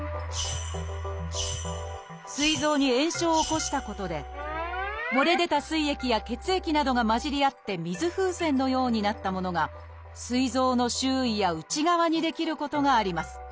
すい臓に炎症を起こしたことで漏れ出たすい液や血液などが混じり合って水風船のようになったものがすい臓の周囲や内側に出来ることがあります。